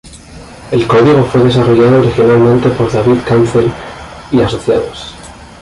El código fue desarrollado originalmente por David Cancel y asociados.